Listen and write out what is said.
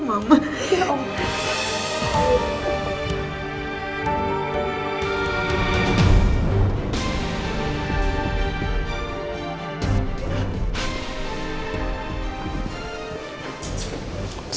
mama ya allah